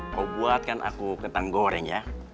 kau buatkan aku kentang goreng ya